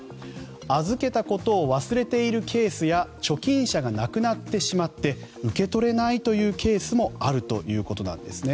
預けたことを忘れているケースや貯金者が亡くなってしまって受け取れないというケースもあるということなんですね。